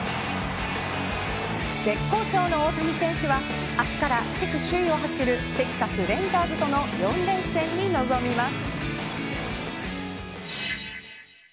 絶好調の大谷選手は明日から、地区首位を走るテキサス・レンジャーズとの４連戦に臨みます。